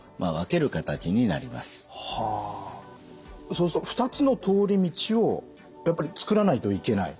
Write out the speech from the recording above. そうすると２つの通り道をやっぱり作らないといけない？